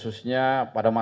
khususnya pada masa ini